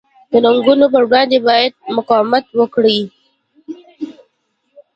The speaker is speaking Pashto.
د ننګونو پر وړاندې باید مقاومت وکړي.